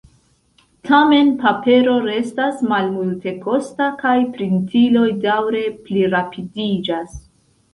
Tamen, papero restas malmultekosta, kaj printiloj daŭre plirapidiĝas.